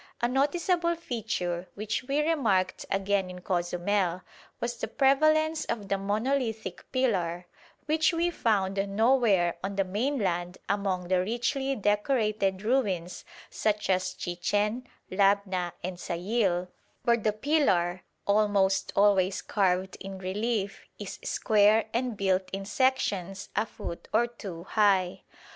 A noticeable feature, which we remarked again in Cozumel, was the prevalence of the monolithic pillar, which we found nowhere on the mainland among the richly decorated ruins such as Chichen, Labna and Sayil, where the pillar, almost always carved in relief, is square and built in sections a foot or two high.